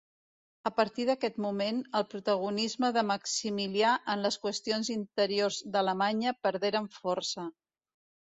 A partir d'aquest moment, el protagonisme de Maximilià en les qüestions interiors d'Alemanya perderen força.